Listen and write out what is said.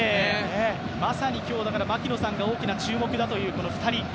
まさに今日、槙野さんが大きな注目だという２人。